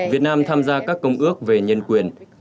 việt nam tham gia các công ước về nhân quyền